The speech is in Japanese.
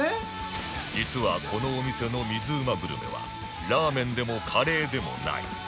実はこのお店の水うまグルメはラーメンでもカレーでもない